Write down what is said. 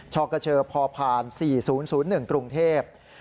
ชกเฉพาะพาน๔๐๐๑กรุงเทพฯ